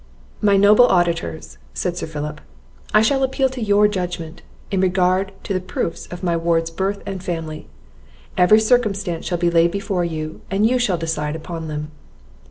"My noble auditors," said Sir Philip, "I shall appeal to your judgment, in regard to the proofs of my ward's birth and family; every circumstance shall be laid before you, and you shall decide upon them.